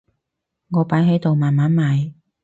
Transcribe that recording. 我擺喺度慢慢賣